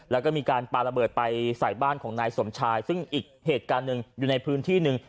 แล้วก็มีการปาระเบิดไปใส่บ้านของนายสมชายซึ่งอีกเหตุการณ์หนึ่งอยู่ในพื้นที่หนึ่ง